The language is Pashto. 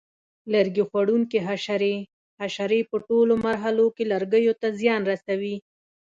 لرګي خوړونکي حشرې: حشرې په ټولو مرحلو کې لرګیو ته زیان رسوي.